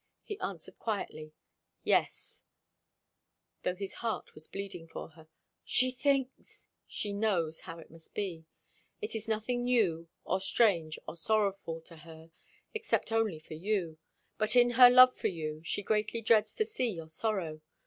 He answered quietly, "Yes;" though his heart was bleeding for her. "She thinks " "She knows how it must be. It is nothing new, or strange, or sorrowful, to her, except only for you. But in her love for you, she greatly dreads to see your sorrow.